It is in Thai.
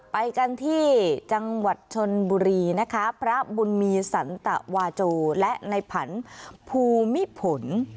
ไปกันที่จังหวัดชนบุรีนะคะพระบุญมีสันตวาโจและในผันภูมิผล